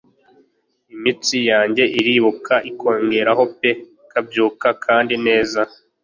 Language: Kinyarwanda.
Imitsi yanjye iribuka ikongeraho pe ikabyuka kandi neza